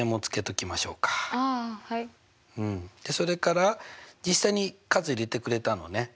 それから実際に数入れてくれたのねうん。